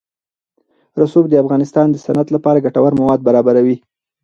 رسوب د افغانستان د صنعت لپاره ګټور مواد برابروي.